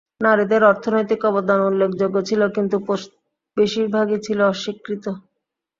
নারীদের অর্থনৈতিক অবদান উল্লেখযোগ্য ছিল কিন্তু বেশিরভাগই ছিল অস্বীকৃত।